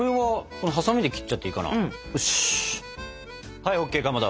はいＯＫかまど！